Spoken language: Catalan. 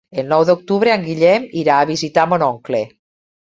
El nou d'octubre en Guillem irà a visitar mon oncle.